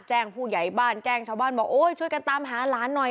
แจ้งผู้ใหญ่บ้านแจ้งชาวบ้านบอกโอ้ยช่วยกันตามหาหลานหน่อย